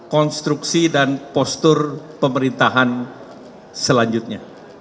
konstruksi dan postur pemerintahan selanjutnya